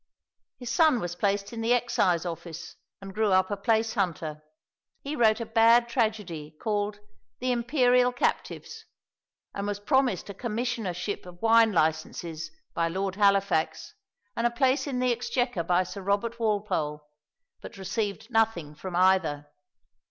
His son was placed in the Excise Office, and grew up a place hunter. He wrote a bad tragedy called "The Imperial Captives," and was promised a commissionership of wine licenses by Lord Halifax, and a place in the Exchequer by Sir Robert Walpole, but received nothing from either.